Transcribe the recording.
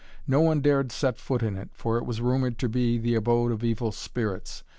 No one dared set foot in it, for it was rumored to be the abode of evil spirits.